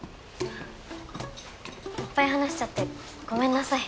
いっぱい話しちゃってごめんなさい